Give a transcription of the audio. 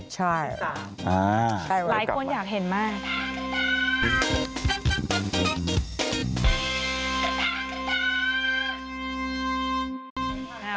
ใช่หลายคนอยากเห็นมากนะครับ๑๓ปี